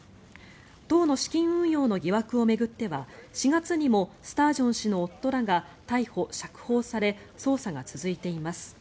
党の資金運用の疑惑を巡っては４月にもスタージョン氏の夫らが逮捕・釈放され捜査が続いています。